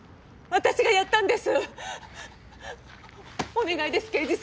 私が殺したんです！